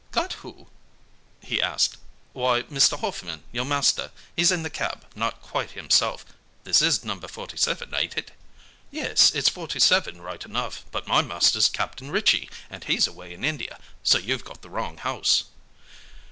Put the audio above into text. "'Got who?' he asked. "'Why Mr. Hoffman your master. He's in the cab, not quite himself. This is number forty seven, ain't it?' "'Yes, it's forty seven, right enough; but my master's Captain Ritchie, and he's away in India, so you've got the wrong house.'